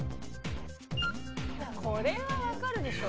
これはわかるでしょ。